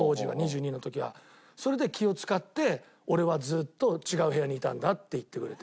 それで気を使って俺はずっと違う部屋にいたんだって言ってくれて。